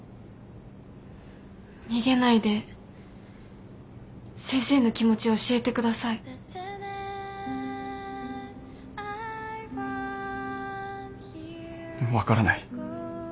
逃げないで先生の気持ち教えてください。分からない。